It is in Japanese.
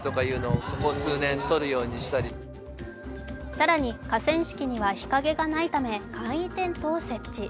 更に、河川敷には日陰がないため、簡易テントを設置。